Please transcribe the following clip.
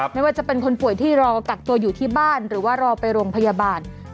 ไม่ว่าจะเป็นคนป่วยที่รอกักตัวอยู่ที่บ้านหรือว่ารอไปโรงพยาบาล